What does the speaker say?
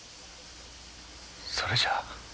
それじゃあ。